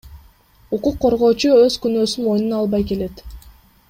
Укук коргоочу өз күнөөсүн мойнуна албай келет.